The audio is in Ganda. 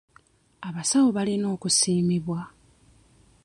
Abasawo balina okusiimibwa.